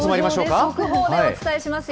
速報でお伝えしますよ。